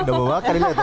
udah mau makan ini tuh